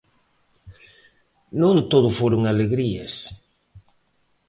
Non todo foron alegrías.